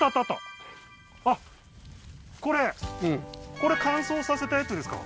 これ乾燥させたやつですか？